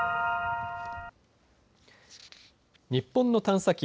日本の探査機